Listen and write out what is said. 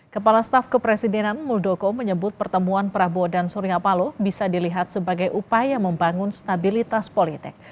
kepala staf kepresidenan muldoko menyebut pertemuan prabowo dan surya paloh bisa dilihat sebagai upaya membangun stabilitas politik